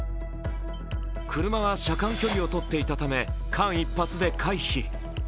車は車間距離を取っていたため間一髪で回避。